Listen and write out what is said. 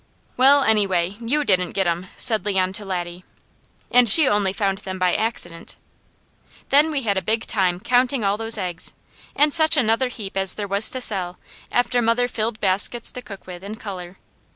"Well, anyway, you didn't get 'em," said Leon to Laddie. "And she only found them by accident!" Then we had a big time counting all those eggs, and such another heap as there was to sell, after mother filled baskets to cook with and colour.